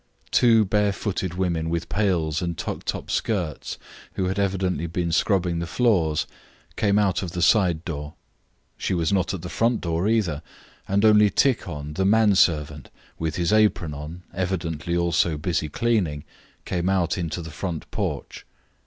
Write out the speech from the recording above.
Two bare footed women with pails and tucked up skirts, who had evidently been scrubbing the floors, came out of the side door. She was not at the front door either, and only Tikhon, the man servant, with his apron on, evidently also busy cleaning, came out into the front porch.